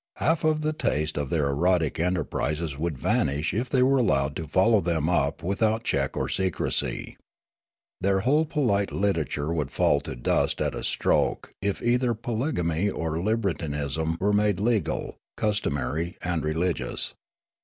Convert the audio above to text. Half the taste of their erotic enterprises would vanish if they were allowed to follow them up without check or secrecy. Their whole polite Sneekape 169 literature would fall to dust at a stroke if either poly gamy or libertinism were made legal, customary, and religious.